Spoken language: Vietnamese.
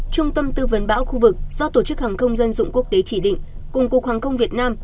trung tâm tư vấn bão khu vực do tổ chức hàng không dân dụng quốc tế chỉ định cùng cục hàng không việt nam